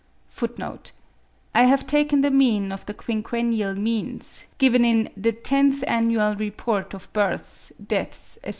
(24. I have taken the mean of the quinquennial means, given in 'The Tenth Annual Report of Births, Deaths, etc.